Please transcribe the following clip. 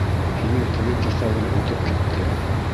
Һинең теге киҫәгең үтеп китте!